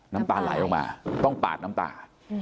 น้ำตาไหลออกมาต้องปาดน้ำตา